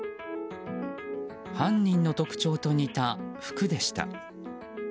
犯人の特徴と似た服でした。